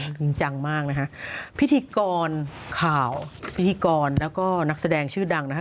จริงจังมากนะฮะพิธีกรข่าวพิธีกรแล้วก็นักแสดงชื่อดังนะคะ